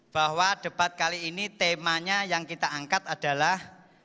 bahwa debat kali ini temanya yang kita angkat adalah